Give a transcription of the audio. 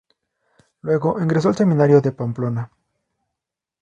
Luego ingresó al seminario de Pamplona.